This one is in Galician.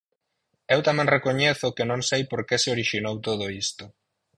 Eu tamén recoñezo que non sei por que se orixinou todo isto.